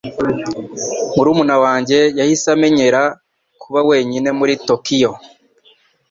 Murumuna wanjye yahise amenyera kuba wenyine muri Tokiyo.